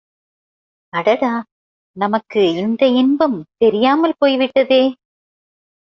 அடடா நமக்கு இந்த இன்பம் தெரியாமல் போய்விட்டதே!